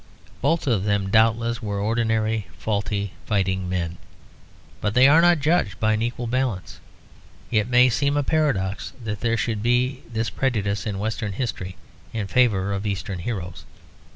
Both of them doubtless were ordinary faulty fighting men, but they are not judged by an equal balance. It may seem a paradox that there should be this prejudice in Western history in favour of Eastern heroes.